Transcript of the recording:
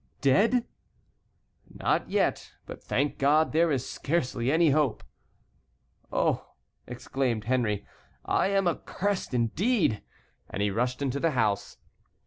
"Dead?" "Not yet, but, thank God, there is scarcely any hope." "Oh!" exclaimed Henry, "I am accursed indeed!" and he rushed into the house.